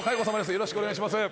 よろしくお願いします。